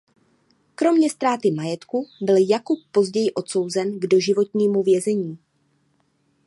Kromě ztráty majetku byl Jakub později odsouzen k doživotnímu vězení.